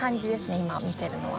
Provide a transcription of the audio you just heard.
今見てるのは。